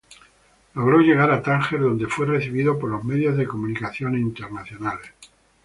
Logró llegar a Tánger donde fue recibida por los medios de comunicación internacionales.